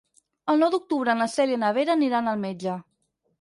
El nou d'octubre na Cèlia i na Vera aniran al metge.